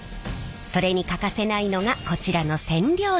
それに欠かせないのがこちらの染料のりです。